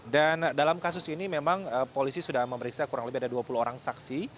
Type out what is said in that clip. dan dalam kasus ini memang polisi sudah memeriksa kurang lebih ada dua puluh orang saksi